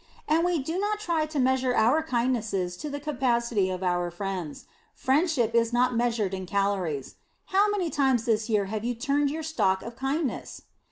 And we do not try to measure our kindnesses to the capacity of our friends. Friendship is not measurable in calories. How many times this year have you "turned" your stock of kindness?